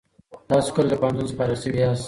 تاسو کله له پوهنتون څخه فارغ شوي یاست؟